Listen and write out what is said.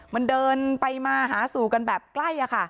มันเดินไปมาหาสู่กันแบบใกล้